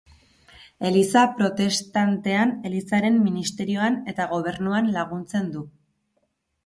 Eliza protestantean elizaren ministerioan eta gobernuan laguntzen du.